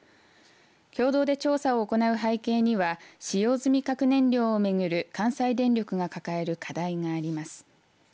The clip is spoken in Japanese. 共同で調査を行う背景には使用済み核燃料を巡る関西電力が抱える課題があります。